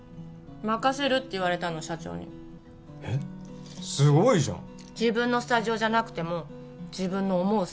任せるって言われたの社長にえっすごいじゃん自分のスタジオじゃなくても自分の思う